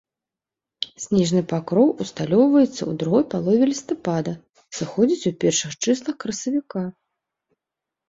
Снежны пакроў усталёўваецца ў другой палове лістапада, сыходзіць у першых чыслах красавіка.